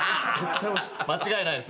間違いないっす。